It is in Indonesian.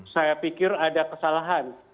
saya pikir ada kesalahan